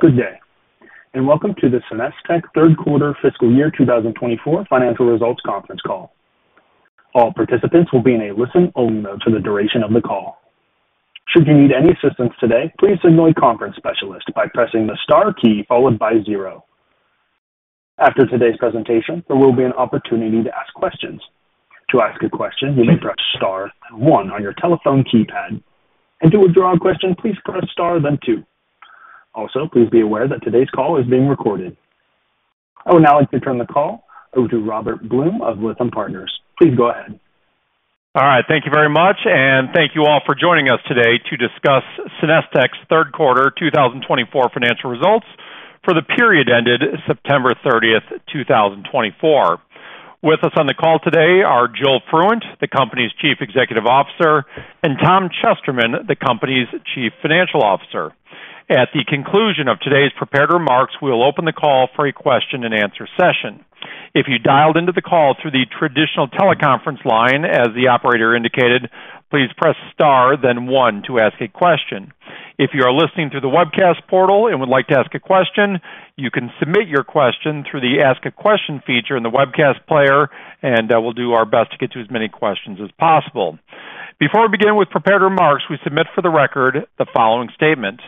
Good day, and welcome to the SenesTech Q3 Fiscal Year 2024 Financial Results Conference Call. All participants will be in a listen-only mode for the duration of the call. Should you need any assistance today, please signal a conference specialist by pressing the star key followed by zero. After today's presentation, there will be an opportunity to ask questions. To ask a question, you may press star and one on your telephone keypad. And to withdraw a question, please press star then two. Also, please be aware that today's call is being recorded. I would now like to turn the call over to Robert Blum of Lytham Partners. Please go ahead. All right. Thank you very much, and thank you all for joining us today to discuss SenesTech's Q3 2024 financial results for the period ended 30 September 2024. With us on the call today are Joel Fruendt, the company's Chief Executive Officer, and Tom Chesterman, the company's Chief Financial Officer. At the conclusion of today's prepared remarks, we'll open the call for a question-and-answer session. If you dialed into the call through the traditional teleconference line, as the operator indicated, please press star then one to ask a question. If you are listening through the webcast portal and would like to ask a question, you can submit your question through the ask a question feature in the webcast player, and we'll do our best to get to as many questions as possible. Before we begin with prepared remarks, we submit for the record the following statement.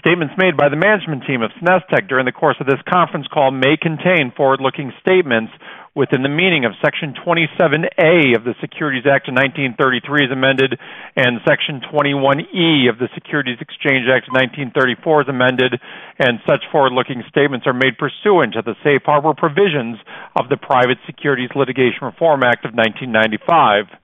Statements made by the management team of SenesTech during the course of this conference call may contain forward-looking statements within the meaning of Section 27A of the Securities Act of 1933 as amended, and Section 21E of the Securities Exchange Act of 1934 as amended, and such forward-looking statements are made pursuant to the safe harbor provisions of the Private Securities Litigation Reform Act of 1995.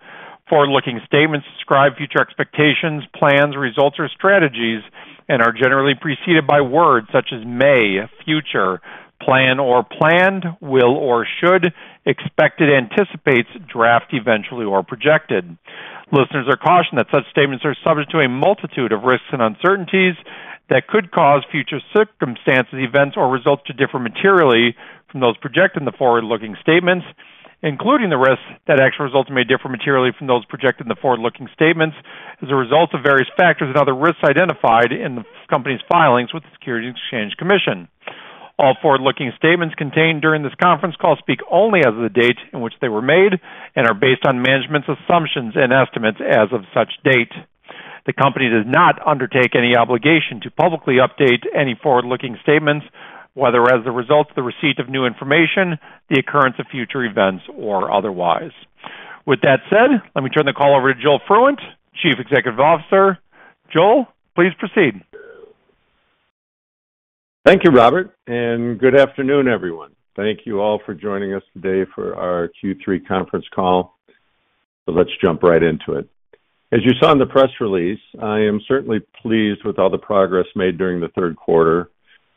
Forward-looking statements describe future expectations, plans, results, or strategies, and are generally preceded by words such as may, future, plan or planned, will or should, expected, anticipates, intend eventually, or projected. Listeners are cautioned that such statements are subject to a multitude of risks and uncertainties that could cause future circumstances, events, or results to differ materially from those projected in the forward-looking statements, including the risks that actual results may differ materially from those projected in the forward-looking statements as a result of various factors and other risks identified in the company's filings with the Securities and Exchange Commission. All forward-looking statements contained during this conference call speak only as of the date in which they were made and are based on management's assumptions and estimates as of such date. The company does not undertake any obligation to publicly update any forward-looking statements, whether as the result of the receipt of new information, the occurrence of future events, or otherwise. With that said, let me turn the call over to Joel Fruendt, Chief Executive Officer. Joel, please proceed. Thank you, Robert, and good afternoon, everyone. Thank you all for joining us today for our Q3 conference call. So let's jump right into it. As you saw in the press release, I am certainly pleased with all the progress made during the Q3,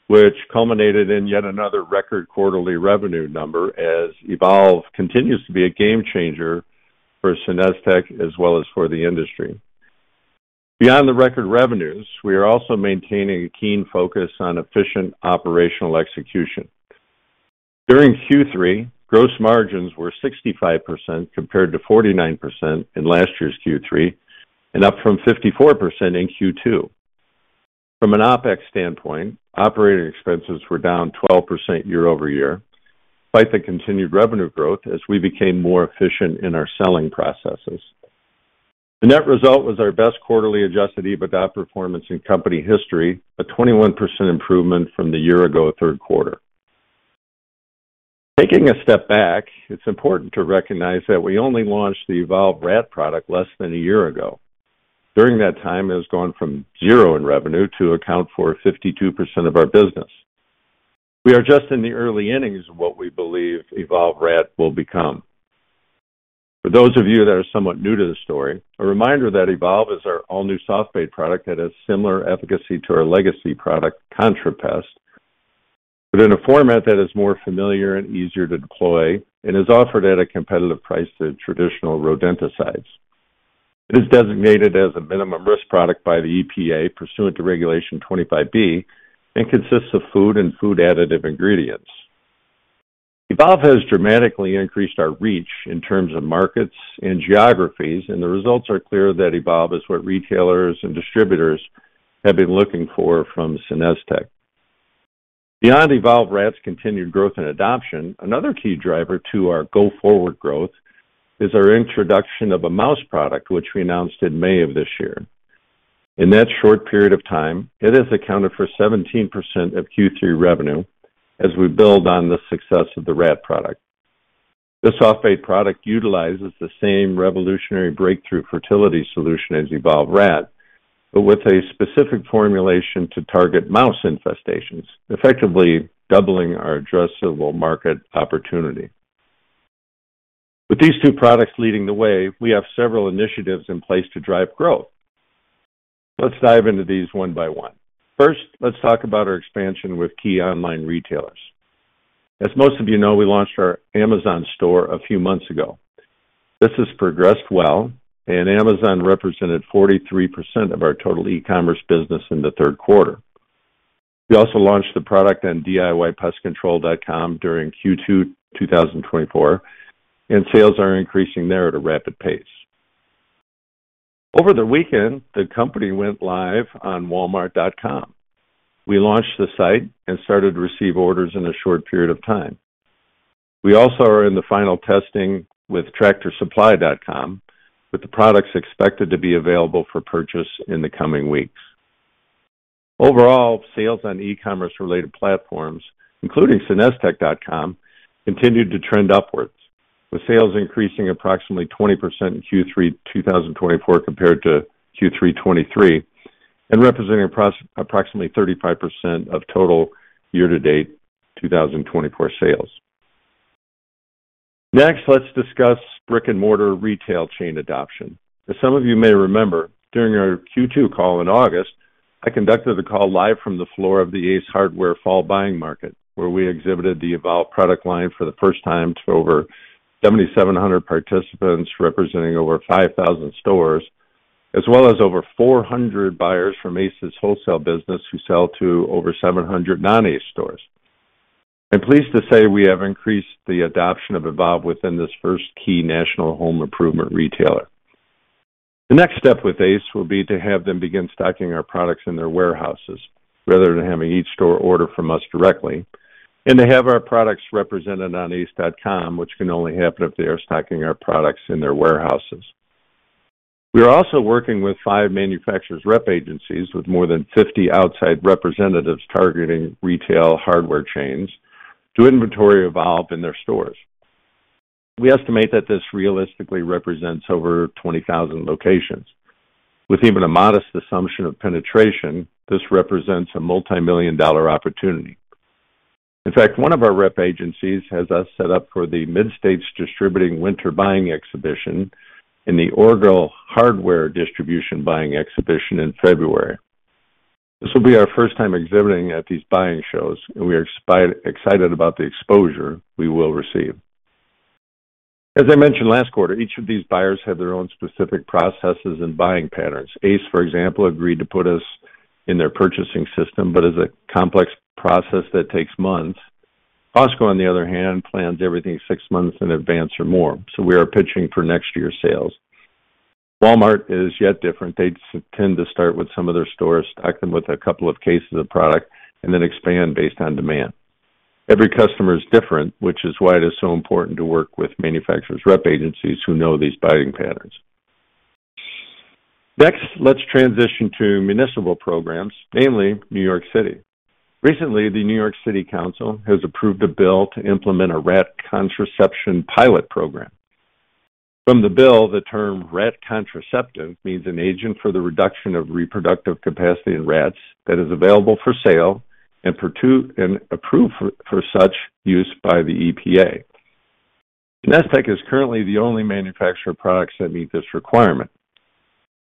which culminated in yet another record quarterly revenue number as Evolve continues to be a game changer for SenesTech as well as for the industry. Beyond the record revenues, we are also maintaining a keen focus on efficient operational execution. During Q3, gross margins were 65% compared to 49% in last year's Q3 and up from 54% in Q2. From an OpEx standpoint, operating expenses were down 12% year over year, despite the continued revenue growth as we became more efficient in our selling processes. The net result was our best quarterly adjusted EBITDA performance in company history, a 21% improvement from the year-ago Q3. Taking a step back, it's important to recognize that we only launched the Evolve Rat product less than a year ago. During that time, it has gone from zero in revenue to account for 52% of our business. We are just in the early innings of what we believe Evolve Rat will become. For those of you that are somewhat new to the story, a reminder that Evolve is our all-new soft-bait product that has similar efficacy to our legacy product, ContraPest, but in a format that is more familiar and easier to deploy and is offered at a competitive price to traditional rodenticides. It is designated as a minimum risk product by the EPA pursuant to Regulation 25(b) and consists of food and food additive ingredients. Evolve has dramatically increased our reach in terms of markets and geographies, and the results are clear that Evolve is what retailers and distributors have been looking for from SenesTech. Beyond Evolve Rat's continued growth and adoption, another key driver to our go-forward growth is our introduction of a mouse product, which we announced in May of this year. In that short period of time, it has accounted for 17% of Q3 revenue as we build on the success of the Rat product. The soft-bait product utilizes the same revolutionary breakthrough fertility solution as Evolve Rat, but with a specific formulation to target mouse infestations, effectively doubling our addressable market opportunity. With these two products leading the way, we have several initiatives in place to drive growth. Let's dive into these one by one. First, let's talk about our expansion with key online retailers. As most of you know, we launched our Amazon store a few months ago. This has progressed well, and Amazon represented 43% of our total e-commerce business in the Q3. We also launched the product on DIYPestControl.com during Q2 2024, and sales are increasing there at a rapid pace. Over the weekend, the company went live on Walmart.com. We launched the site and started to receive orders in a short period of time. We also are in the final testing with TractorSupply.com, with the products expected to be available for purchase in the coming weeks. Overall, sales on e-commerce-related platforms, including SenesTech.com, continued to trend upwards, with sales increasing approximately 20% in Q3 2024 compared to Q3 2023 and representing approximately 35% of total year-to-date 2024 sales. Next, let's discuss brick-and-mortar retail chain adoption. As some of you may remember, during our Q2 call in August, I conducted the call live from the floor of the Ace Hardware fall buying market, where we exhibited the Evolve product line for the first time to over 7,700 participants representing over 5,000 stores, as well as over 400 buyers from Ace's wholesale business who sell to over 700 non-Ace stores. I'm pleased to say we have increased the adoption of Evolve within this first key national home improvement retailer. The next step with Ace will be to have them begin stocking our products in their warehouses rather than having each store order from us directly, and to have our products represented on Ace.com, which can only happen if they are stocking our products in their warehouses. We are also working with five manufacturers' rep agencies with more than 50 outside representatives targeting retail hardware chains to inventory Evolve in their stores. We estimate that this realistically represents over 20,000 locations. With even a modest assumption of penetration, this represents a multi-million dollar opportunity. In fact, one of our rep agencies has us set up for the Mid-States Distributing Winter Buying Exhibition and the Orgill Hardware Distribution Buying Exhibition in February. This will be our first time exhibiting at these buying shows, and we are excited about the exposure we will receive. As I mentioned last quarter, each of these buyers had their own specific processes and buying patterns. Ace, for example, agreed to put us in their purchasing system, but as a complex process that takes months. Costco, on the other hand, plans everything six months in advance or more, so we are pitching for next year's sales. Walmart is yet different. They tend to start with some of their stores, stock them with a couple of cases of product, and then expand based on demand. Every customer is different, which is why it is so important to work with manufacturers' rep agencies who know these buying patterns. Next, let's transition to municipal programs, namely New York City. Recently, the New York City Council has approved a bill to implement a rat contraception pilot program. From the bill, the term rat contraceptive means an agent for the reduction of reproductive capacity in rats that is available for sale and approved for such use by the EPA. SenesTech is currently the only manufacturer of products that meet this requirement.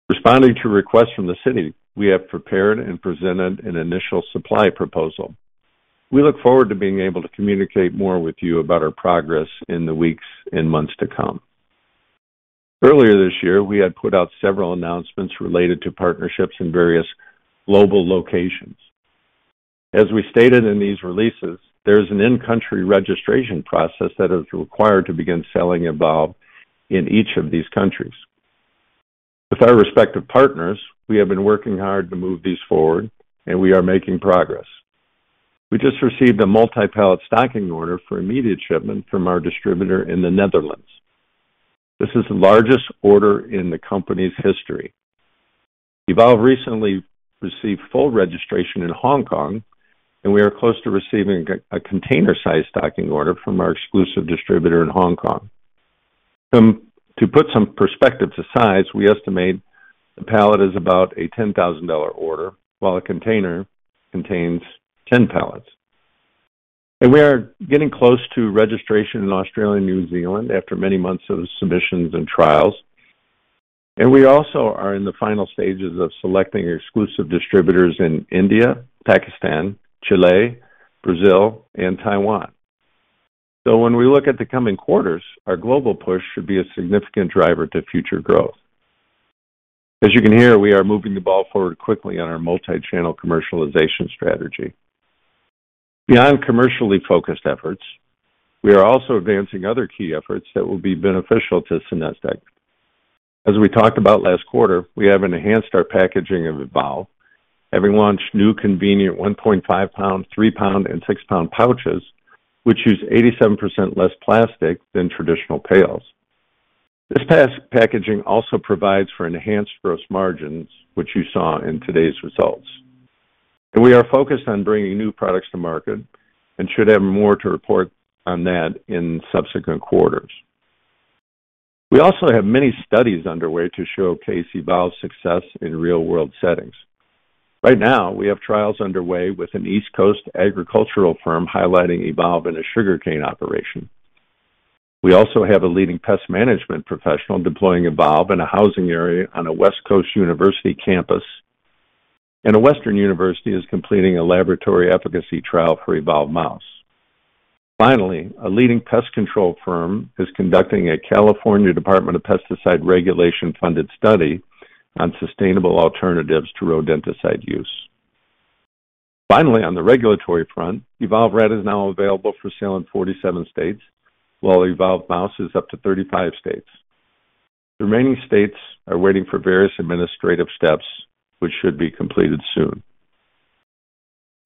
Responding to requests from the city, we have prepared and presented an initial supply proposal. We look forward to being able to communicate more with you about our progress in the weeks and months to come. Earlier this year, we had put out several announcements related to partnerships in various global locations. As we stated in these releases, there is an in-country registration process that is required to begin selling Evolve in each of these countries. With our respective partners, we have been working hard to move these forward, and we are making progress. We just received a multi-pallet stocking order for immediate shipment from our distributor in the Netherlands. This is the largest order in the company's history. Evolve recently received full registration in Hong Kong, and we are close to receiving a container-sized stocking order from our exclusive distributor in Hong Kong. To put some perspective to size, we estimate the pallet is about a $10,000 order, while a container contains 10 pallets. And we are getting close to registration in Australia and New Zealand after many months of submissions and trials, and we also are in the final stages of selecting exclusive distributors in India, Pakistan, Chile, Brazil, and Taiwan. So, when we look at the coming quarters, our global push should be a significant driver to future growth. As you can hear, we are moving the ball forward quickly on our multi-channel commercialization strategy. Beyond commercially focused efforts, we are also advancing other key efforts that will be beneficial to SenesTech. As we talked about last quarter, we have enhanced our packaging of Evolve, having launched new convenient 1.5-pound, 3-pound, and 6-pound pouches, which use 87% less plastic than traditional pails. This packaging also provides for enhanced gross margins, which you saw in today's results. And we are focused on bringing new products to market and should have more to report on that in subsequent quarters. We also have many studies underway to showcase Evolve's success in real-world settings. Right now, we have trials underway with an East Coast agricultural firm highlighting Evolve in a sugarcane operation. We also have a leading pest management professional deploying Evolve in a housing area on a West Coast university campus, and a Western university is completing a laboratory efficacy trial for Evolve Mouse. Finally, a leading pest control firm is conducting a California Department of Pesticide Regulation-funded study on sustainable alternatives to rodenticide use. Finally, on the regulatory front, Evolve Rat is now available for sale in 47 states, while Evolve Mouse is up to 35 states. The remaining states are waiting for various administrative steps, which should be completed soon.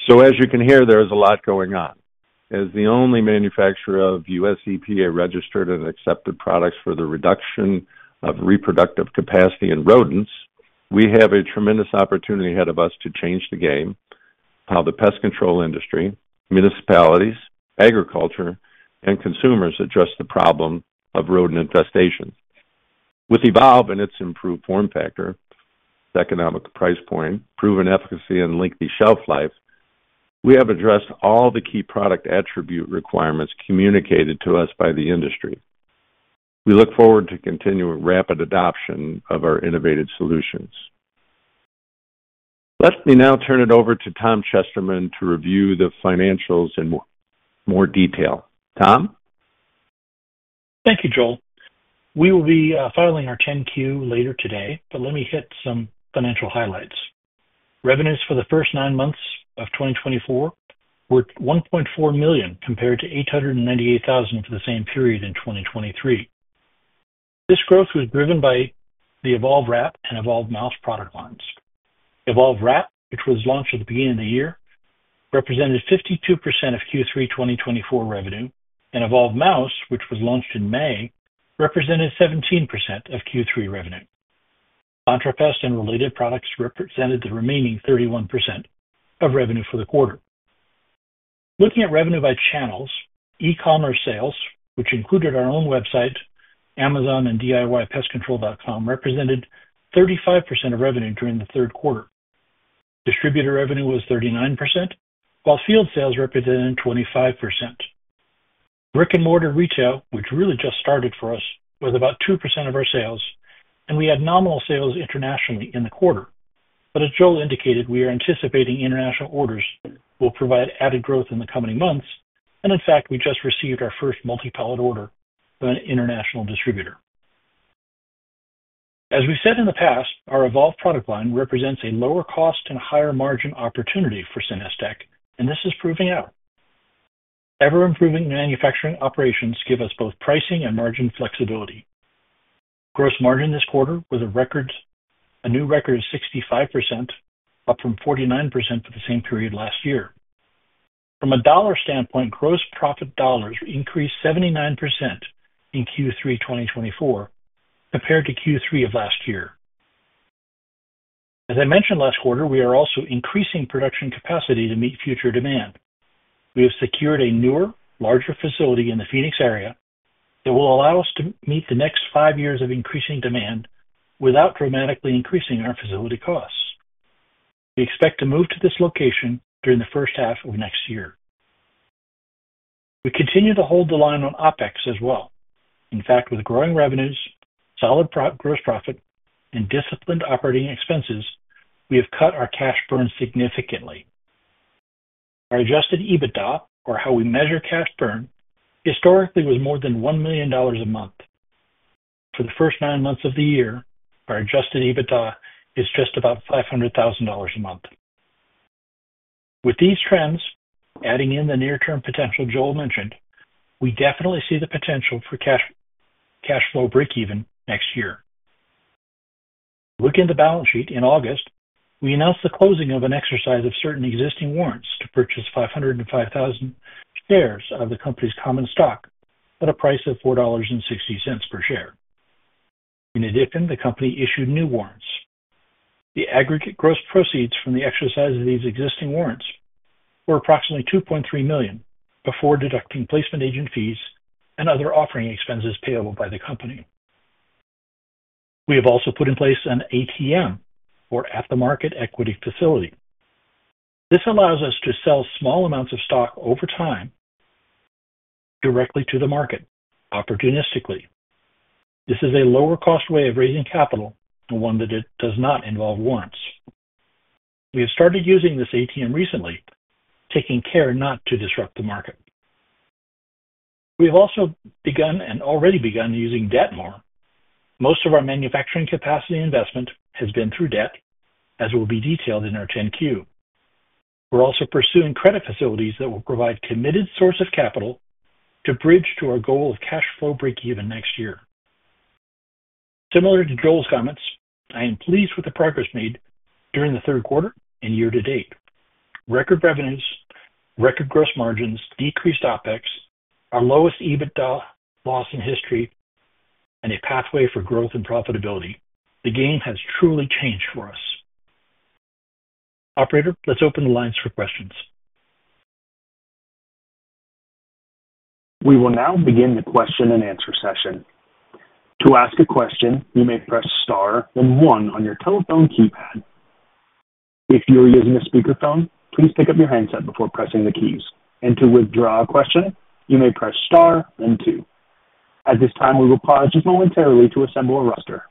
So as you can hear, there is a lot going on. As the only manufacturer of U.S. EPA-registered and accepted products for the reduction of reproductive capacity in rodents, we have a tremendous opportunity ahead of us to change the game of how the pest control industry, municipalities, agriculture, and consumers address the problem of rodent infestation. With Evolve and its improved form factor, economic price point, proven efficacy, and lengthy shelf life, we have addressed all the key product attribute requirements communicated to us by the industry. We look forward to continuing rapid adoption of our innovative solutions. Let me now turn it over to Tom Chesterman to review the financials in more detail. Tom? Thank you, Joel. We will be filing our 10-Q later today, but let me hit some financial highlights. Revenues for the first nine months of 2024 were $1.4 million compared to $898,000 for the same period in 2023. This growth was driven by the Evolve Rat and Evolve Mouse product lines. Evolve Rat, which was launched at the beginning of the year, represented 52% of Q3 2024 revenue, and Evolve Mouse, which was launched in May, represented 17% of Q3 revenue. ContraPest and related products represented the remaining 31% of revenue for the quarter. Looking at revenue by channels, e-commerce sales, which included our own website, Amazon, and DIYPestControl.com, represented 35% of revenue during the Q3. Distributor revenue was 39%, while field sales represented 25%. Brick-and-mortar retail, which really just started for us, was about 2% of our sales, and we had nominal sales internationally in the quarter. But as Joel indicated, we are anticipating international orders will provide added growth in the coming months, and in fact, we just received our first multi-pallet order from an international distributor. As we've said in the past, our Evolve product line represents a lower cost and higher margin opportunity for SenesTech, and this is proving out. Ever-improving manufacturing operations give us both pricing and margin flexibility. Gross margin this quarter was a new record of 65%, up from 49% for the same period last year. From a dollar standpoint, gross profit dollars increased 79% in Q3 2024 compared to Q3 of last year. As I mentioned last quarter, we are also increasing production capacity to meet future demand. We have secured a newer, larger facility in the Phoenix area that will allow us to meet the next five years of increasing demand without dramatically increasing our facility costs. We expect to move to this location during the first half of next year. We continue to hold the line on OpEx as well. In fact, with growing revenues, solid gross profit, and disciplined operating expenses, we have cut our cash burn significantly. Our adjusted EBITDA, or how we measure cash burn, historically was more than $1 million a month. For the first nine months of the year, our adjusted EBITDA is just about $500,000 a month. With these trends, adding in the near-term potential Joel mentioned, we definitely see the potential for cash flow break-even next year. Looking at the balance sheet in August, we announced the closing of an exercise of certain existing warrants to purchase 505,000 shares of the company's common stock at a price of $4.60 per share. In addition, the company issued new warrants. The aggregate gross proceeds from the exercise of these existing warrants were approximately $2.3 million before deducting placement agent fees and other offering expenses payable by the company. We have also put in place an ATM, or at-the-market equity facility. This allows us to sell small amounts of stock over time directly to the market opportunistically. This is a lower-cost way of raising capital, one that does not involve warrants. We have started using this ATM recently, taking care not to disrupt the market. We have also begun using debt more. Most of our manufacturing capacity investment has been through debt, as will be detailed in our 10-Q. We're also pursuing credit facilities that will provide a committed source of capital to bridge to our goal of cash flow break-even next year. Similar to Joel's comments, I am pleased with the progress made during the Q3 and year-to-date. Record revenues, record gross margins, decreased OpEx, our lowest EBITDA loss in history, and a pathway for growth and profitability. The game has truly changed for us. Operator, let's open the lines for questions. We will now begin the question and answer session. To ask a question, you may press star then one on your telephone keypad. If you are using a speakerphone, please pick up your handset before pressing the keys. And to withdraw a question, you may press star then two. At this time, we will pause momentarily to assemble a roster.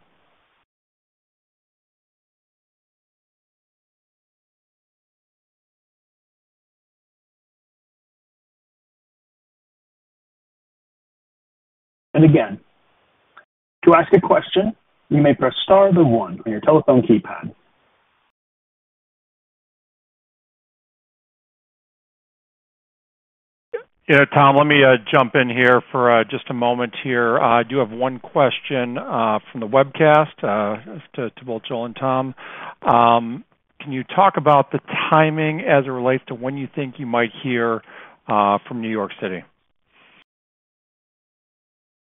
And again, to ask a question, you may press star then one on your telephone keypad. Yeah, Tom, let me jump in here for just a moment here. I do have one question from the webcast to both Joel and Tom. Can you talk about the timing as it relates to when you think you might hear from New York City?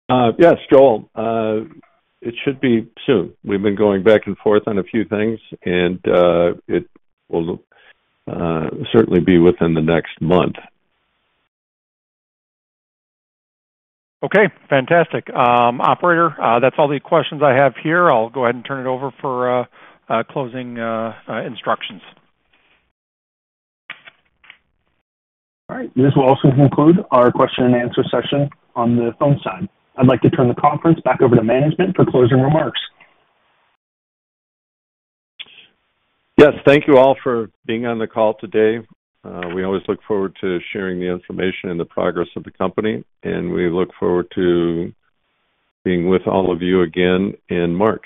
Yes, Joel. It should be soon. We've been going back and forth on a few things, and it will certainly be within the next month. Okay, fantastic. Operator, that's all the questions I have here. I'll go ahead and turn it over for closing instructions. All right. This will also conclude our question-and-answer session on the phone side. I'd like to turn the conference back over to management for closing remarks. Yes, thank you all for being on the call today. We always look forward to sharing the information and the progress of the company, and we look forward to being with all of you again in March.